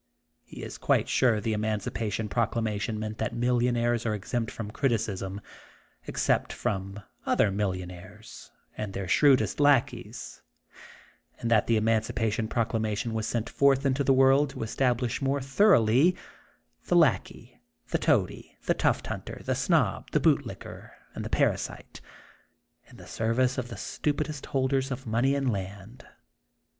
He is quite sure the Emancipation Proclama tion meant that millionaires are exempt from criticism, except from other millionaires or their shrewedest lackeys, and that the Eman cipation Proclamation was sent forth into the world to establish more thoroughly the lac key, the toady, the tuft hunter, the snob, the bootlicker, and the parasite, in the service of the stupidest holders of money and land.